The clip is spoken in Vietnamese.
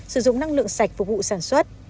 sử dụng năng lượng sạch phục vụ sản xuất